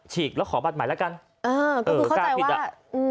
ฉีกแล้วขอบัตรหมายแล้วกันเออก็คือเข้าใจว่าอืม